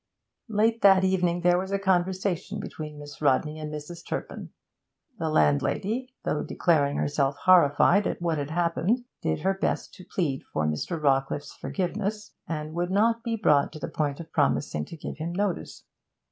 Late that evening there was a conversation between Miss Rodney and Mrs. Turpin. The landlady, though declaring herself horrified at what had happened, did her best to plead for Mr. Rawcliffe's forgiveness, and would not be brought to the point of promising to give him notice.